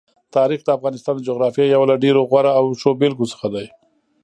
تاریخ د افغانستان د جغرافیې یو له ډېرو غوره او ښو بېلګو څخه دی.